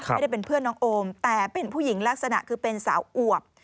ไม่ได้เป็นเพื่อนน้องโอมแต่เป็นผู้หญิงลักษณะคือเป็นสาวอวบ